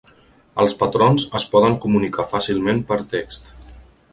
Els patrons es poden comunicar fàcilment per text.